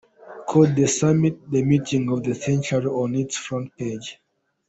called the summit "the meeting of the century" on its front page.